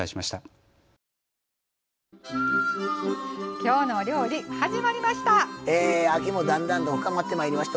「きょうの料理」始まりました！